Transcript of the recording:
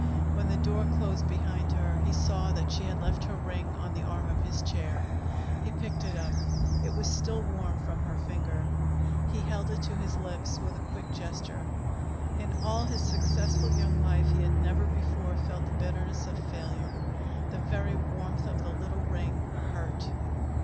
When the door closed behind her, he saw that she had left her ring on the arm of his chair. He picked it up. It was still warm from her finger. He held it to his lips with a quick gesture. In all his successful young life he had never before felt the bitterness of failure. The very warmth of the little ring hurt.